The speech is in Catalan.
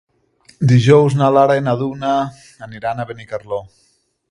Dijous na Lara i na Duna aniran a Benicarló.